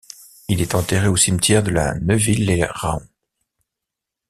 Il est enterré au cimetière de La Neuville-lès-Raon.